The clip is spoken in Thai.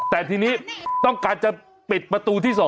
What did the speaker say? แต่ทีนี้ต้องการจะปิดประตูที่๒